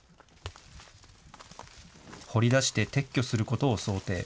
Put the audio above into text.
掘り出して撤去することを想定。